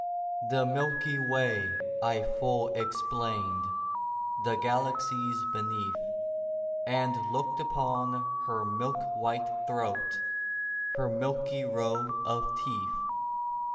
The milky way I full explained; The galaxies beneath; And looked upon her milk white throat, Her milky row of teeth.